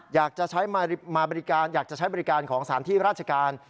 อยากจะใช้บริการของสารที่ราชการ